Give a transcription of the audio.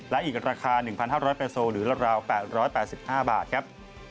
และอีกราคา๑๕๐๐เปอร์โซลหรือราว๘๘๕บาทครับ